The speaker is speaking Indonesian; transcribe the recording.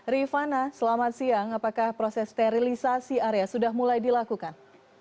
rifana selamat siang apakah proses sterilisasi area sudah mulai dilakukan